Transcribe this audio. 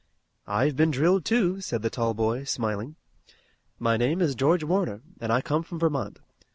"I've been drilled too," said the tall boy, smiling. "My name is George Warner, and I come from Vermont.